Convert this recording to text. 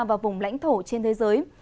và vùng lãnh thổ trên thế giới